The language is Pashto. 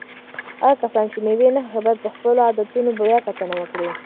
هغه کسان چې مېوې نه خوښوي باید په خپلو عادتونو بیا کتنه وکړي.